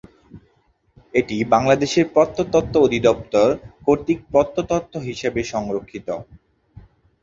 এটি বাংলাদেশ প্রত্নতত্ত্ব অধিদপ্তর কর্তৃক প্রত্নতত্ত্ব হিসাবে সংরক্ষিত।